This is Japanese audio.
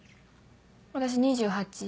私２８。